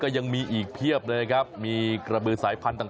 ยังมีอีกเพียบเลยครับมีกระบือสายพันธุ์ต่าง